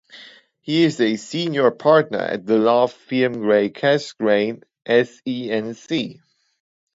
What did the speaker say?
He is a senior partner at the law firm Grey Casgrain, s.e.n.c.